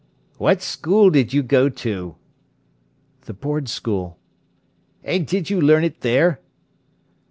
"What school did you go to?" "The Board school." "And did you learn it there?"